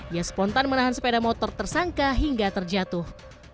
ia spontan menahan sepeda motor tersangka hingga terjatuh